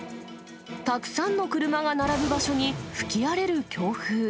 たくさんの車が並ぶ場所に、吹き荒れる強風。